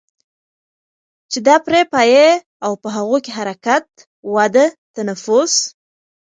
چې دا پرې پايي او په هغو کې حرکت، وده، تنفس